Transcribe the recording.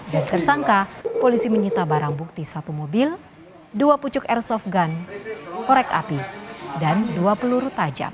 dan tersangka polisi menyita barang bukti satu mobil dua pucuk airsoft gun korek api dan dua peluru tajam